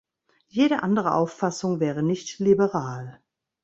Jede andere Auffassung wäre nicht liberal.